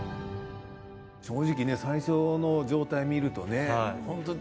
正直ね最初の状態見るとね